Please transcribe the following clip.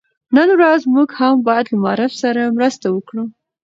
نن ورځ موږ هم بايد له معارف سره مرسته وکړو.